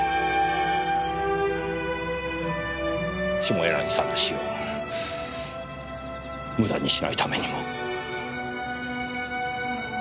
下柳さんの死を無駄にしないためにも。